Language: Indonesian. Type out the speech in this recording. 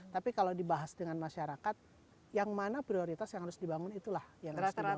tapi kalau dibahas dengan masyarakat yang mana prioritas yang harus dibangun itulah yang harus dibangun